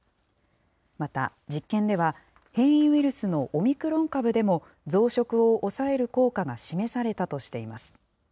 また、実験では、変異ウイルスのオミクロン株でも増殖を抑える効果が示されたとしています。